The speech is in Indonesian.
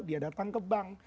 dia datang ke bank